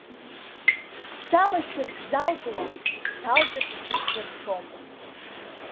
Салашәар сзалҵуам, салҵыр сзыршом.